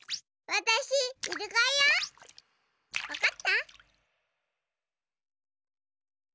わかった？